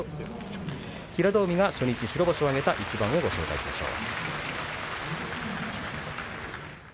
平戸海が初日白星を挙げた一番をご紹介しましょう。